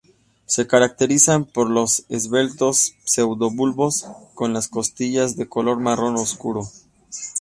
Se caracterizan por los esbeltos pseudobulbos, con las costillas, de color marrón oscuro.